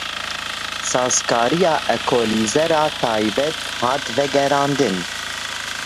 Sazkariya ekolîzera taybet hat vegerandin.